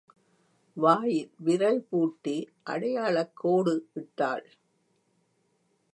வாயில் விரல் பூட்டி அடையாளக் கோடு இட்டாள்.